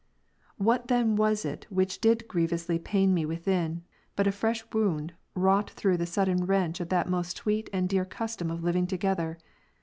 30. What then was it which did grievously pain me within, but a fresh wound wrought through the sudden wrench of that most sweet and dear custom of living together?